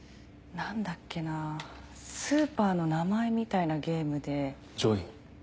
何だっけなぁスーパーの名前みたいなゲームで。